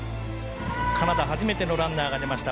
カナダ初めてのランナーが出ました。